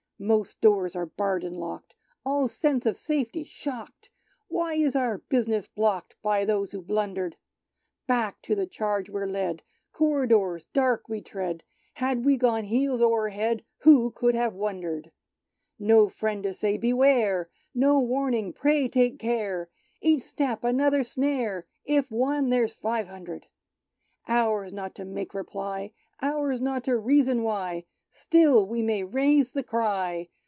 Most doors are barred and locked. All sense of safety shocked ; Why is our business blocked By those who blundered ? Back to the charge we're led ; Corridors dark we tread ; Had we gone heels o'er head Who could have wondered ? No friend to say " Beware !'' No warning " Pray take care !" Each step another snare ! If one, there's five hundred. Ours not to make reply. Ours not to reason why ; Still we may raise the cry.